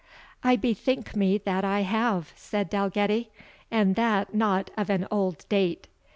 "I bethink me that I have," said Dalgetty, "and that not of an old date.